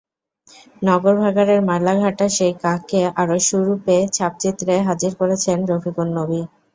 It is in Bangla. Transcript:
নগর ভাগাড়ের ময়লা-ঘাঁটা সেই কাককে আরও সুরূপে ছাপচিত্রে হাজির করেছেন রফিকুন নবী।